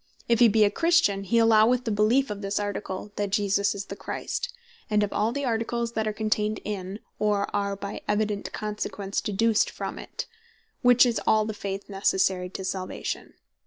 If he bee a Christian, he alloweth the beleefe of this Article, that Jesus Is The Christ; and of all the Articles that are contained in, or are evident consequence deduced from it: which is all the Faith Necessary to Salvation.